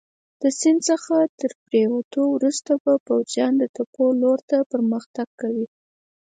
د سیند څخه تر پورېوتو وروسته به پوځیان د تپو لور ته پرمختګ کوي.